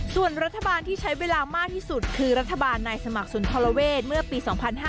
ส่วนรัฐบาลที่ใช้เวลามากที่สุดคือรัฐบาลนายสมัครสุนทรเวศเมื่อปี๒๕๕๙